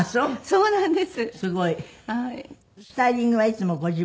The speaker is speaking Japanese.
そうなんです。